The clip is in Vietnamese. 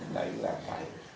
đấy là cái tôi muốn nói